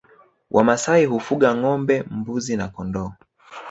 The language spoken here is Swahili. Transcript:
Wamasai hufuga ngombe mbuzi na kondoo